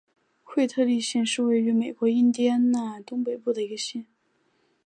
惠特利县是位于美国印第安纳州东北部的一个县。